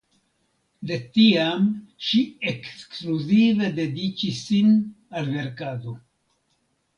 De tiam ŝi ekskluzive dediĉis sin al verkado.